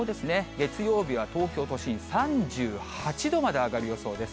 月曜日は東京都心３８度まで上がる予想です。